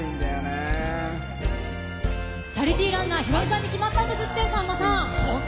チャリティーランナー、ヒロミさんに決まったんですって、さんまさん。